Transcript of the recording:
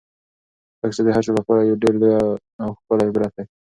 دا کیسه د هر چا لپاره یو ډېر لوی او ښکلی عبرت دی.